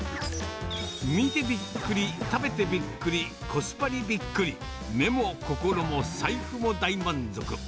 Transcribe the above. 見てびっくり、食べてびっくり、コスパにびっくり、目も心も財布も大満足。